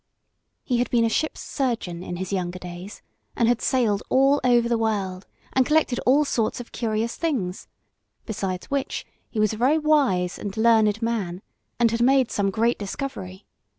He had been a ship's surgeon in his younger days, and had sailed all over the world, and collected all sorts of curious things, besides which he was a very wise and learned man, and had made some great discovery.